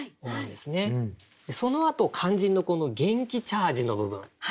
そのあと肝心のこの「元気チャージ」の部分。